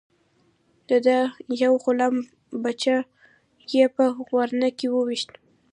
د ده یو غلام بچه یې په ورانه کې وويشت.